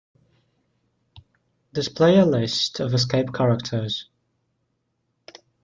Display a list of escape characters.